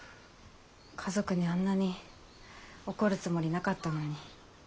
家族にあんなに怒るつもりなかったのに。